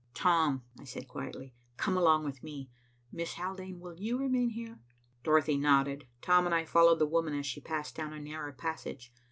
"Tom," I said quietly, "come along with me. Miss Haldane, will you remain here?" Dorothy nodded. Tom and I followed the woman as she passed down a narrow passage.